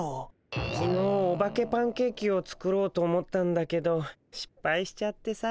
きのうオバケパンケーキを作ろうと思ったんだけどしっぱいしちゃってさ。